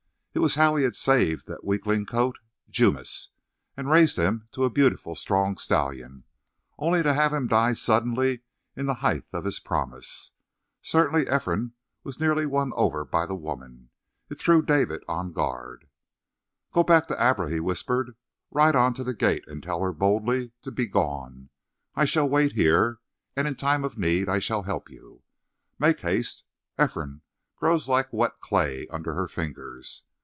It was how he had saved the weakling colt, Jumis, and raised him to a beautiful, strong stallion, only to have him die suddenly in the height of his promise. Certainly Ephraim was nearly won over by the woman; it threw David on guard. "Go back to Abra," he whispered. "Ride on to the gate and tell her boldly to be gone. I shall wait here, and in time of need I shall help you. Make haste. Ephraim grows like wet clay under her fingers.